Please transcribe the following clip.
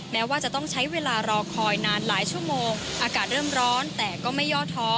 แม้ว่าจะต้องใช้เวลารอคอยนานหลายชั่วโมงอากาศเริ่มร้อนแต่ก็ไม่ย่อท้อ